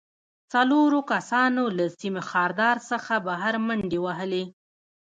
څلورو کسانو له سیم خاردار څخه بهر منډې وهلې